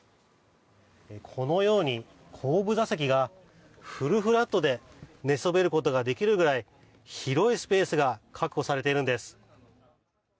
このように後部座席がフルフラットで寝そべることができるくらい広いスペースが確保されているんです。